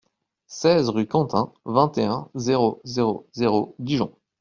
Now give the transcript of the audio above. seize rue Quentin, vingt et un, zéro zéro zéro, Dijon